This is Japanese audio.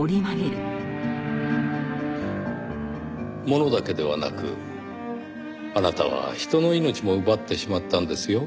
ものだけではなくあなたは人の命も奪ってしまったんですよ。